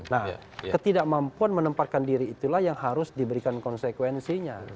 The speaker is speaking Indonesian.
nah ketidakmampuan menempatkan diri itulah yang harus diberikan konsekuensinya